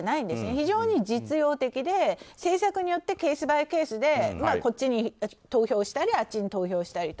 非常に実用的で政策によってケースバイケースでこっちに投票したりあっちに投票したりと。